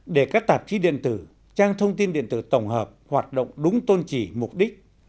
để các tạp chí điện tử trang thông tin điện tử tổng hợp hoạt động đúng tôn trì mục đích